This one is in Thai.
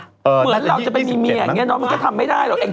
เหมือนเราจะไปมีเมียโอ้ไงเนาะมันจะทำไม่ได้หรอก